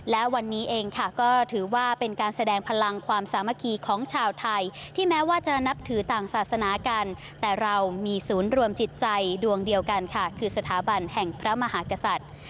และวันนี้เองค่ะก็ถือว่าเป็นการแสดงพลังความสามัคคีของชาวไทยที่แม้ว่าจะนับถือต่างศาสนากันแต่เรามีศูนย์รวมจิตใจดวงเดียวกันค่ะคือสถาบันแห่งพระมหากษัตริย์